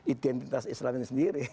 identitas islam ini sendiri